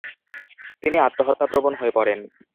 তিনি আত্মহত্যাপ্রবণ হয়ে পড়েন।